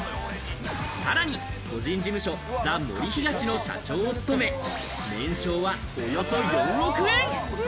さらに個人事務所、ザ・森東の社長を務め、年商はおよそ４億円。